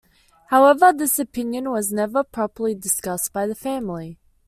However, this option was never properly discussed by the family.